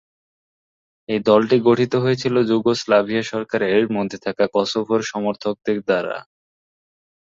এই দলটি গঠিত হয়েছিল যুগোস্লাভিয়া সরকারের মধ্যে থাকা কসোভোর সমর্থকদের দ্বারা।